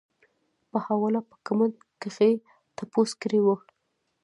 پۀ حواله پۀ کمنټ کښې تپوس کړے وۀ -